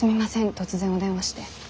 突然お電話して。